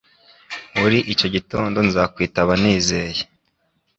Muri icyo gitondo nzakwitaba nizeye